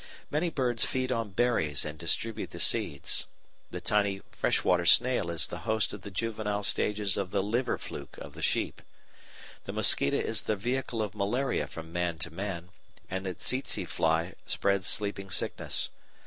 Many birds feed on berries and distribute the seeds. The tiny freshwater snail is the host of the juvenile stages of the liver fluke of the sheep. The mosquito is the vehicle of malaria from man to man, and the tse tse fly spreads sleeping sickness.